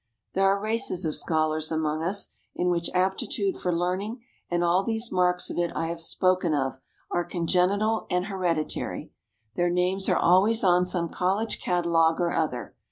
There are races of scholars among us, in which aptitude for learning, and all these marks of it I have spoken of, are congenital and hereditary. Their names are always on some college catalogue or other.